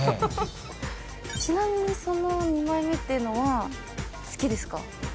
その二枚目っていうのは好きですか？